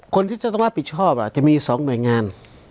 คนที่จะต้องรับผิดชอบจะมี๒หน่วยงาน